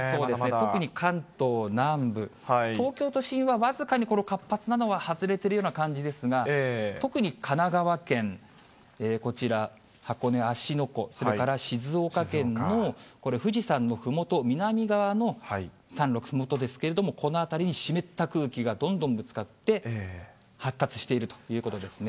特に関東南部、東京都心は僅かにこの活発なのは、外れているような感じですが、特に神奈川県、こちら、箱根・芦ノ湖、それから静岡県の富士山のふもと、南側の山ろく、ふもとですけれども、この辺りに湿った空気がどんどんぶつかって、発達しているということですね。